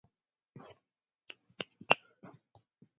A number of players and rippers support the format as well.